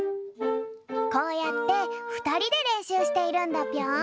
こうやってふたりでれんしゅうしているんだぴょん。